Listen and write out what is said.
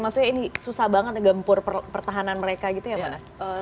maksudnya ini susah banget ngegempur pertahanan mereka gitu ya mana